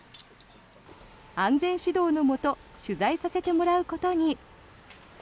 安全指導のもと取材させてもらうことに。